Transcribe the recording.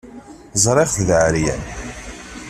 Ẓriɣ-t d aεeryan.